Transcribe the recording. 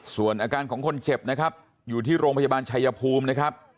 ส่วนอาการของคนเจ็บนะครับอยู่ที่โรงพยาบาลชายภูมินะครับ